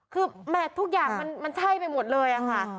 คือแม่ทุกอย่างมันใช่ไปหมดเลยอะค่ะ